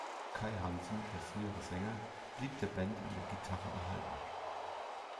Kai Hansen, der frühere Sänger, blieb der Band an der Gitarre erhalten.